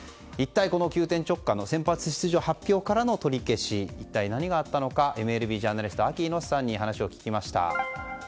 この急転直下の先発出場発表からの取り消しは一体何があったのかＭＬＢジャーナリストのＡＫＩ猪瀬さんに話を聞きました。